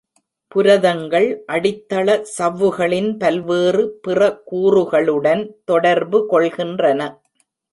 புரதங்கள் அடித்தள சவ்வுகளின் பல்வேறு பிற கூறுகளுடன் தொடர்பு கொள்கின்றன.